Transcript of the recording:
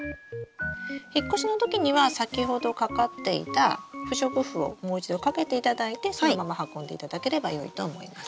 引っ越しのときには先ほどかかっていた不織布をもう一度かけていただいてそのまま運んでいただければよいと思います。